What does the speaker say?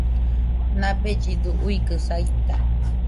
Nabellɨdo uikɨ saita